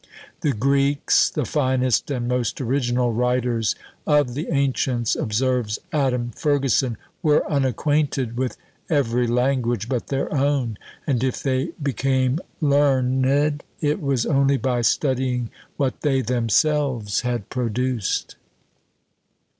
The Greeks, the finest and most original writers of the ancients, observes Adam Ferguson, "were unacquainted with every language but their own; and if they became learned, it was only by studying what they themselves had produced."